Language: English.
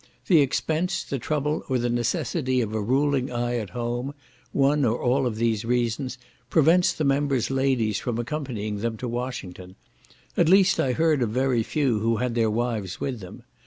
The expense, the trouble, or the necessity of a ruling eye at home, one or all of these reasons, prevents the members' ladies from accompanying them to Washington; at least, I heard of very few who had their wives with them.